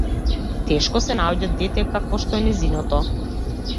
Тешко се наоѓа дете какво што е нејзиното.